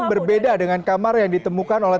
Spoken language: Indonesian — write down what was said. berbeda dengan kamar yang ditemukan oleh